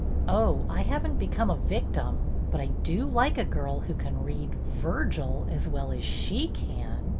" Oh, I have n't become a victim, but I do like a girl who can read — Virgil as well as she can."